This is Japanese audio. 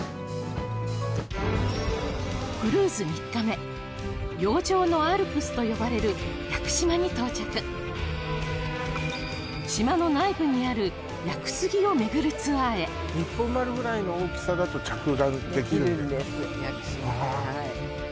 クルーズ３日目洋上のアルプスと呼ばれる屋久島に到着島の内部にある屋久杉を巡るツアーへにっぽん丸ぐらいの大きさだとできるんです